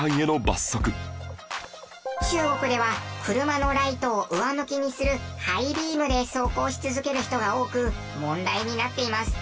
中国では車のライトを上向きにするハイビームで走行し続ける人が多く問題になっています。